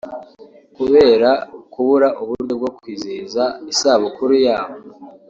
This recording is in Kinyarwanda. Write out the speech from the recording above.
Kubera kubura uburyo bwo kwizihiza isabukuru yabo